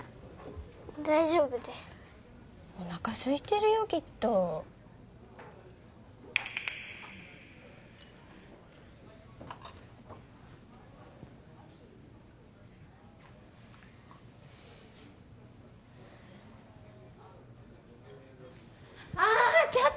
大丈夫ですおなかすいてるよきっとあーっ